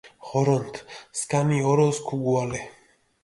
ღორონთ, სქანი ოროს ქუგუალე!